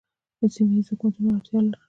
سیمه ییزو حکومتونو اړتیا لرله